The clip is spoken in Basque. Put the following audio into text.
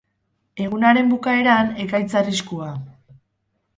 Egunaren bukaeran, ekaitz arriskua.